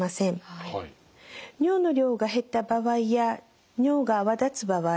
尿の量が減った場合や尿が泡立つ場合